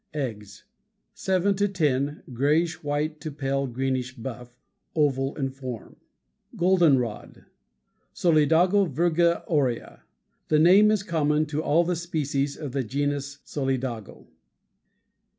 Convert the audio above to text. EGGS Seven to ten, grayish white to pale greenish buff; oval in form. Page 155. =GOLDENROD.= Solidago Virga aurea. The name is common to all the species of the genus Solidago.